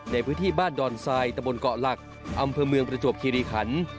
ในพื้นที่บ้านดอนทรายตะบนเกาะหลักอำเภอเมืองประจวบคิริขัน